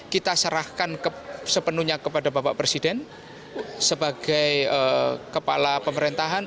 kita serahkan sepenuhnya kepada bapak presiden sebagai kepala pemerintahan